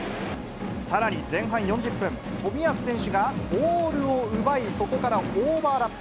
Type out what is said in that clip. さらに前半４０分、冨安選手がボールを奪い、そこからオーバーラップ。